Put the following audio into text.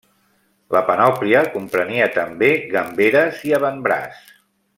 La panòplia comprenia també gamberes i avantbraç.